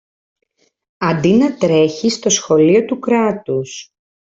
Αντί να τρέχεις στο Σχολείο του Κράτους